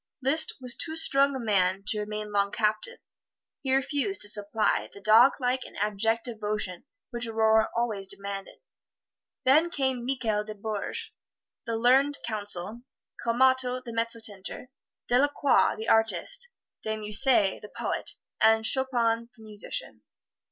Liszt was too strong a man to remain long captive he refused to supply the doglike and abject devotion which Aurore always demanded. Then came Michael de Bourges the learned counsel, Calmatto the mezzotinter, Delacroix the artist, De Musset the poet, and Chopin the musician.